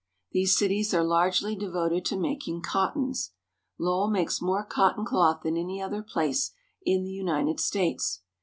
These cities are largely devoted to mak ing cottons. Lowell makes more cotton cloth than any other place in the United States.